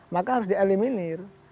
maka harus dieliminir